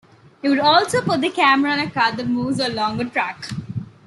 He would also put the camera on a cart that moves along a track.